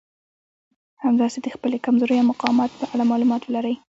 همداسې د خپلې کمزورۍ او مقاومت په اړه مالومات ولرئ.